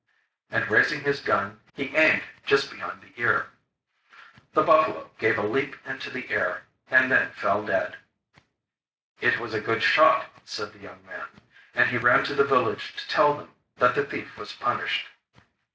And raising his gun, he aimed just behind the ear. The buffalo gave a leap into the air, and then fell dead. 'It was a good shot,' said the young man. And he ran to the village to tell them that the thief was punished.